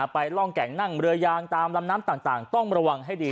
ร่องแก่งนั่งเรือยางตามลำน้ำต่างต้องระวังให้ดี